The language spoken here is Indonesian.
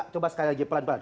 coba sekali lagi pelan pelan